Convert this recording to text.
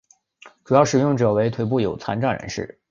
主要使用者为腿部有残障人士。